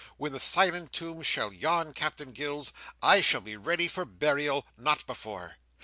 When the silent tomb shall yawn, Captain Gills, I shall be ready for burial; not before.